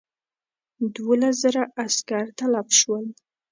دوولس زره عسکر تلف شول.